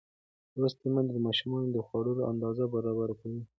لوستې میندې د ماشومانو د خوړو اندازه برابره کوي.